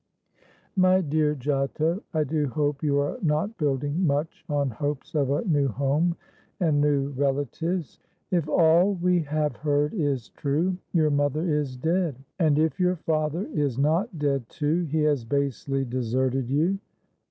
"My dear Giotto, I do hope you are not building much on hopes of a new home and new relatives. If all we have heard is true, your mother is dead; and, if your father is not dead too, he has basely deserted you.